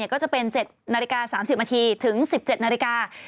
ก็จะเป็น๗นาฬิกา๓๐นาทีถึง๑๗นาฬิกา